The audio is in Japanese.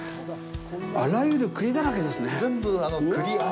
あらゆる、栗だらけですね。